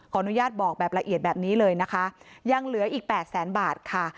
อนุญาตบอกแบบละเอียดแบบนี้เลยนะคะยังเหลืออีกแปดแสนบาทค่ะ